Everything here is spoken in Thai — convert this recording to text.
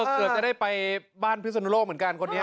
เกือบจะได้ไปบ้านพิศนุโลกเหมือนกันคนนี้